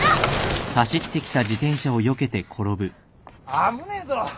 危ねえぞ。